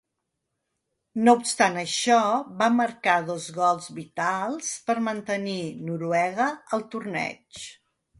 No obstant això, va marcar dos gols vitals per mantenir Noruega al torneig.